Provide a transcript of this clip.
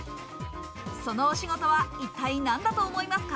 そのお仕事は一体何だと思いますか？